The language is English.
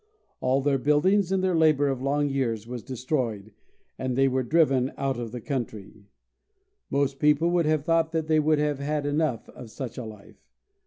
All their buildings and their labor of long years were destroyed, and they were driven out of the country. Most people would have thought that they would have had enough of such a life.